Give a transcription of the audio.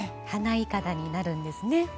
花いかだになるんですね。